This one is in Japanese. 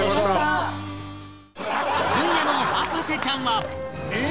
今夜の『博士ちゃん』は